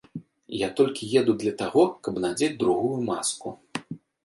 Я толькі еду для таго, каб надзець другую маску.